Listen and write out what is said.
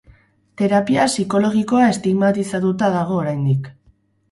Terapia psikologikoa estigmatizatuta dago oraindik.